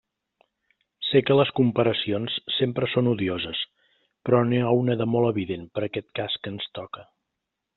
Sé que les comparacions sempre són odioses, però n'hi ha una de molt evident per aquest cas que ens toca.